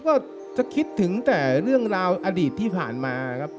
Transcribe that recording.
ก็จะคิดถึงแต่เรื่องราวอดีตที่ผ่านมาครับ